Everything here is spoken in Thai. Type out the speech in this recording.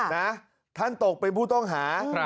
นะท่านตกเป็นผู้ต้องหา